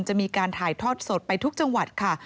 จะมีการถ่ายทอดสดไปทุกจังหวัดค่ะ